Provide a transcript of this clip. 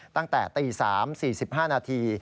ตั้งแต่ตี๓๔๕นาที